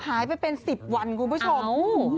หายไปเป็นสิบวันคุณผู้ชมเฮ้อ